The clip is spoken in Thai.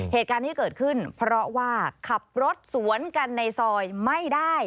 เหตุการณ์ที่เกิดขึ้นเพราะว่าขับรถสวนกันในซอยไม่ได้